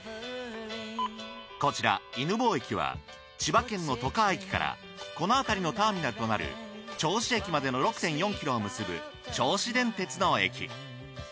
こちら犬吠駅は千葉県の外川駅からこのあたりのターミナルとなる銚子駅までの６．４ｋｍを結ぶ銚子電鉄の駅。